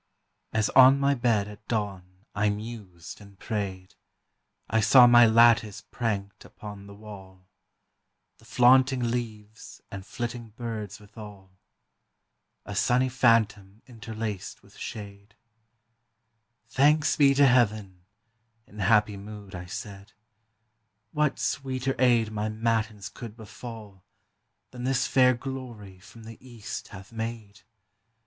As on my bed at dawn I mused and prayed, I saw my lattice prankt upon the wall, The flaunting leaves and flitting birds withal A sunny phantom interlaced with shade; "Thanks be to Heaven," in happy mood I said, "What sweeter aid my matins could befall Than this fair glory from the east hath made?